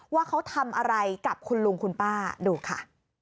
ว่าเขาทำอะไรกับคุณลุงคุณป้าดูค่ะ